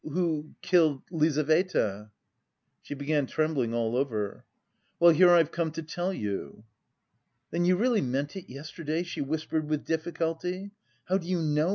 who killed Lizaveta." She began trembling all over. "Well, here I've come to tell you." "Then you really meant it yesterday?" she whispered with difficulty. "How do you know?"